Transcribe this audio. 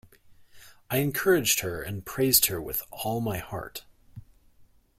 I encouraged her and praised her with all my heart.